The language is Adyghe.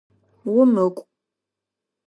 Умыкӏу!